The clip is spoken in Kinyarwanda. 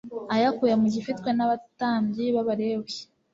ayakuye mu gifitwe n'abatambyi b'abalewi